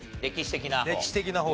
歴史的な方？